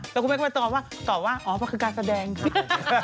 แล้วคุณแม่ก็ไปตอบว่าตอบว่าอ๋อมันคือการแสดงค่ะ